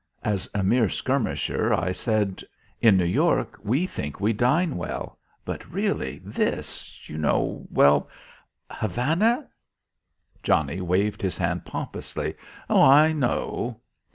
As a mere skirmisher I said, "In New York, we think we dine well; but really this, you know well Havana " Johnnie waved his hand pompously. "Oh, I know."